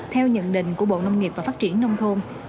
theo nhận định của bộ nông nghiệp và phát triển nông thôn